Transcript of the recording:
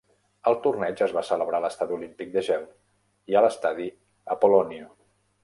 El torneig es va celebrar a l'Estadi Olímpic de Gel i a l'Estadi Apollonio.